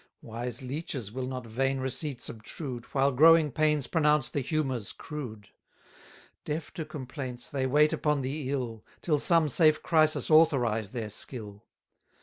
Wise leeches will not vain receipts obtrude, While growing pains pronounce the humours crude: Deaf to complaints, they wait upon the ill, Till some safe crisis authorise their skill.